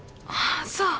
ああそう。